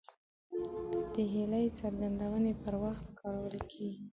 د هیلې څرګندونې پر وخت کارول کیږي.